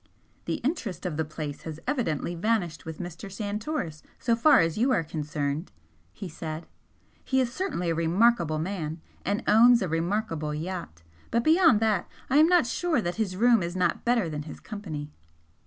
"The interest of the place has evidently vanished with Mr. Santoris, so far as you are concerned!" he said "He is certainly a remarkable man, and owns a remarkable yacht but beyond that I am not sure that his room is not better than his company."